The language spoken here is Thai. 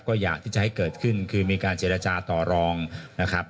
ก็อยากที่จะให้เกิดขึ้นคือมีการเจรจาต่อรองนะครับ